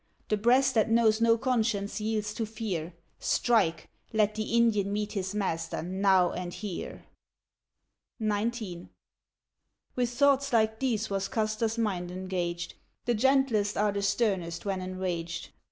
The breast that knows no conscience yields to fear, Strike! let the Indian meet his master now and here. XIX. With thoughts like these was Custer's mind engaged. The gentlest are the sternest when enraged.